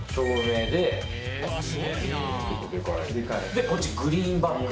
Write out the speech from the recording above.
でこっちグリーンバック。